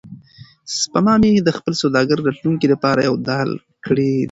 سپما مې د خپل سوداګریز راتلونکي لپاره یوه ډال کړه.